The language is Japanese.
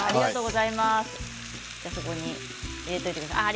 そちらに入れておいてください。